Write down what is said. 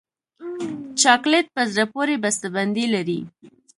چاکلېټ په زړه پورې بسته بندي لري.